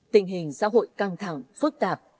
tình hình xã hội căng thẳng phức tạp